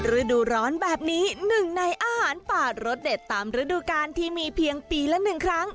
ฤดูร้อนแบบนี้หนึ่งในอาหารป่ารสเด็ดตามฤดูกาลที่มีเพียงปีละ๑ครั้ง